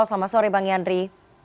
selamat sore bang yandri